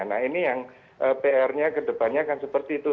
nah ini yang pr nya kedepannya akan seperti itu